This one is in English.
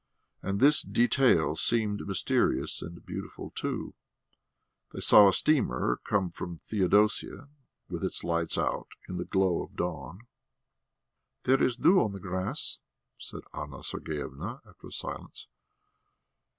And this detail seemed mysterious and beautiful, too. They saw a steamer come from Theodosia, with its lights out in the glow of dawn. "There is dew on the grass," said Anna Sergeyevna, after a silence.